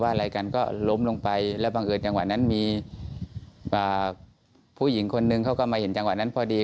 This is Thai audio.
ว่าผู้หญิงคนหนึ่งเขาก็มาเห็นจังหวัดนั้นพอดี